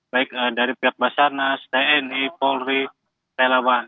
baik dari pihak basarnas tni polri relawan